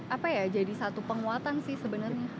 apa ya jadi satu penguatan sih sebenarnya